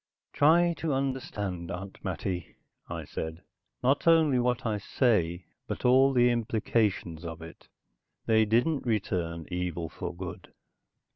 "Try to understand, Aunt Mattie," I said. "Not only what I say, but all the implications of it. They didn't return evil for good.